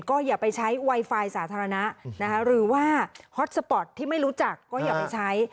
ก็อย่าไปใช้ไวไฟสาธารณะนะคะหรือว่าฮอตสปอร์ตที่ไม่รู้จักก็อย่าไปใช้